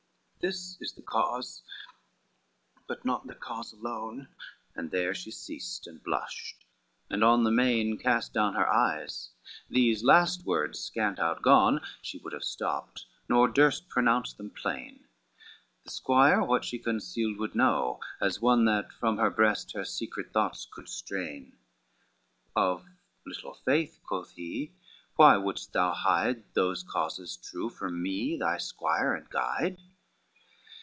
XC "This is the cause, but not the cause alone:" And there she ceased, and blushed, and on the main Cast down her eyes, these last words scant outgone, She would have stopped, nor durst pronounce them plain. The squire what she concealed would know, as one That from her breast her secret thoughts could strain, "Of little faith," quoth he, "why would'st thou hide Those causes true, from me thy squire and guide?"